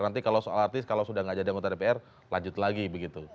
nanti kalau soal artis kalau sudah tidak jadi anggota dpr lanjut lagi begitu